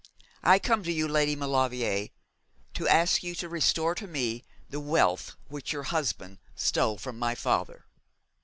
I come to you, Lady Maulevrier, to ask you to restore to me the wealth which your husband stole from my father.'